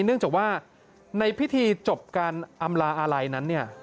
เนื่องจากว่าในพิธีจบการอำลาอาลัยนั้นเนี่ย